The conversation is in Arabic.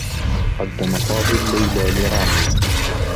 قدّم فاضل ليلى لرامي.